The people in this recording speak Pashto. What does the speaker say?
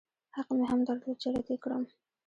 حق مې هم درلود چې رد يې کړم.